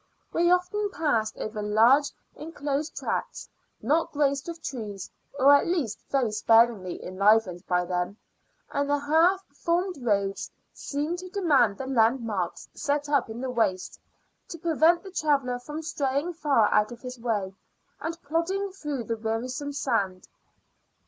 We often passed over large unenclosed tracts, not graced with trees, or at least very sparingly enlivened by them, and the half formed roads seemed to demand the landmarks, set up in the waste, to prevent the traveller from straying far out of his way, and plodding through the wearisome sand.